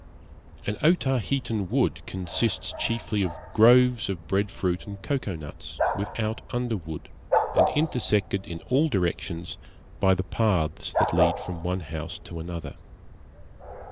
An Otaheitan wood consists chiefly of groves of bread fruit and cocoa nuts, without underwood, and intersected in all directions by the paths that lead from one house to another.